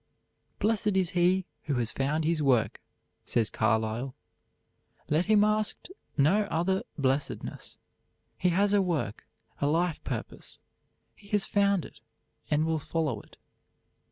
"Blessed is he who has found his work," says Carlyle. "Let him ask no other blessedness. He has a work a life purpose; he has found it, and will follow it."